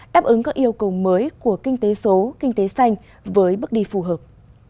đáp ứng các yêu cầu mới của kinh tế số kinh tế xanh với bước đi phù hợp